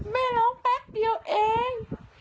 แม่ร้องแป๊บเดียวเอง